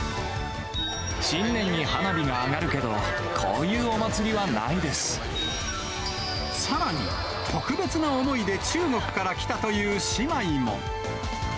新年に花火が上がるけど、さらに、特別な思いで中国から来たという姉妹も。